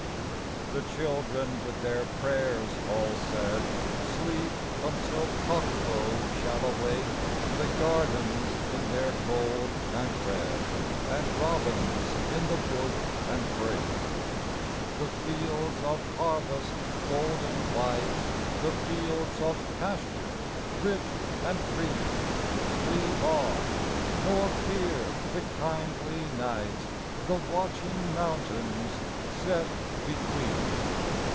The children with their prayers all said Sleep until cockcrow shall awake The gardens in their gold and red And robins in the bush and brake. The fields of harvest golden white, The fields of pasture rich and green, Sleep on nor fear the kindly night, The watching mountains set between.